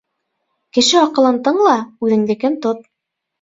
Кеше аҡылын тыңла, үҙеңдекен тот.